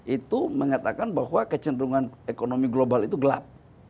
itu mengatakan bahwa kecenderungan ekonomi global itu gelap